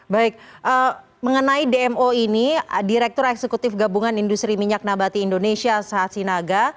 baik mengenai dmo ini direktur eksekutif gabungan industri minyak nabati indonesia sahat sinaga